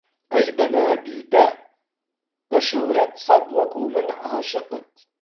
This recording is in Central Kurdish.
ئەی بە نادیدە، بە شوهرەت سەد وەکوو من عاشقت